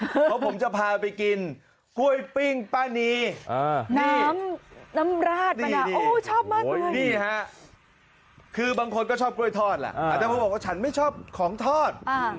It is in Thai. เพราะผมจะพาไปกินกล้วยปิ้งป้านีน้ำน้ำราดเลยอ่ะโอ้ชอบมากเลยนี่ฮะคือบางคนก็ชอบกล้วยทอดแหละแต่พอบอกว่าฉันไม่ชอบของทอด